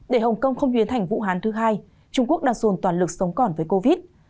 để hồng kông không biến thành vũ hán thứ hai trung quốc đang dồn toàn lực sống còn với covid